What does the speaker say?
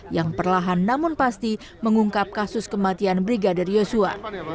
yang perlahan namun pasti mengungkap kasus kematian brigadir yosua